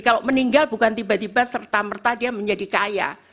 kalau meninggal bukan tiba tiba serta merta dia menjadi kaya